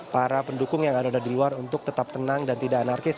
para pendukung yang ada di luar untuk tetap tenang dan tidak anarkis